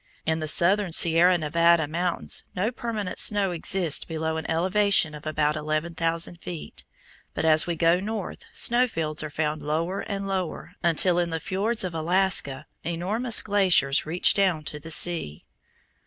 In the southern Sierra Nevada mountains no permanent snow exists below an elevation of about eleven thousand feet, but as we go north snow fields are found lower and lower, until in the fiords of Alaska enormous glaciers reach down to the sea.